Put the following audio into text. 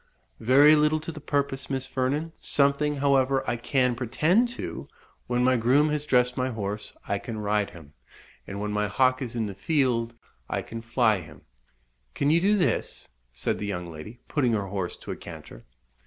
"Very little to the purpose, Miss Vernon; something, however, I can pretend to When my groom has dressed my horse I can ride him, and when my hawk is in the field, I can fly him." "Can you do this?" said the young lady, putting her horse to a canter.